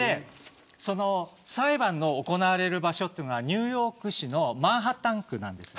裁判が行われる場所というのがニューヨーク市のマンハッタン区なんです。